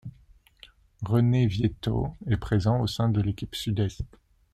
René Vietto est présent au sein de l'équipe Sud-Est.